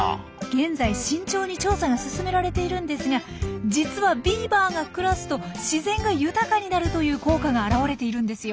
現在慎重に調査が進められているんですが実はビーバーが暮らすと自然が豊かになるという効果が表れているんですよ。